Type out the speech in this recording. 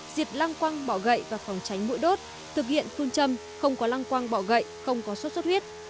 diệt lăng quăng bỏ gậy và phòng tránh mũi đốt thực hiện phương châm không có lăng quang bỏ gậy không có sốt xuất huyết